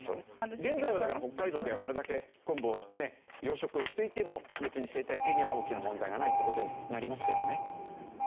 現在はだから北海道であれだけ昆布を養殖していても別に生態系には大きな問題がないって事になりますけどね。